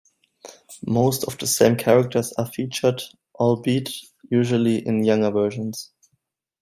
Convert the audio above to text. Most of the same characters are featured, albeit usually in younger versions.